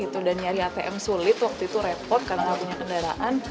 nyari atm sulit waktu itu repot karena punya kendaraan